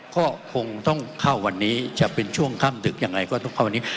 ก็คงต้องเข้าวันนี้จะเป็นช่วงค่ำดึกยังไงก็ต้องเข้าวันนี้